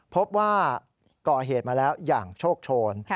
พบว่าก่อเหตุมาแล้วอย่างโชคโชน